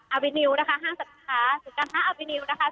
อาวินิวนะคะห้างสัตว์ภูมิค่ะสุดด้านหน้าอาวินิวนะคะ